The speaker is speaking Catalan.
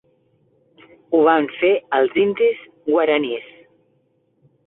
Ho van fer els indis Guaranís.